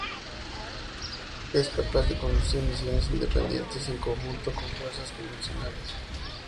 Es capaz de conducir misiones independientes o en conjunto con fuerzas convencionales.